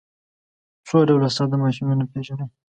څو ډوله ساده ماشینونه پیژنئ.